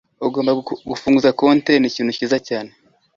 Ugomba gufunguza konte n’ikintu cyiza cyane